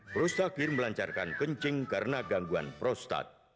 prostakir melancarkan kencing karena gangguan prostat